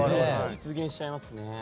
実現しちゃいますね。